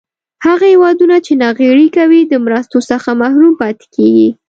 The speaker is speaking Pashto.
هغه هېوادونه چې ناغیړي کوي د مرستو څخه محروم پاتې کیږي.